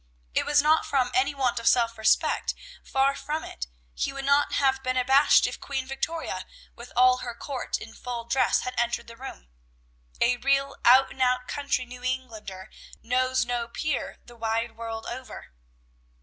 It was not from any want of self respect, far from it; he would not have been abashed if Queen Victoria with all her court in full dress had entered the room. A real out and out country New Englander knows no peer the wide world over.